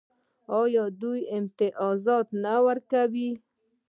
آیا دوی امتیازات نه ورکوي؟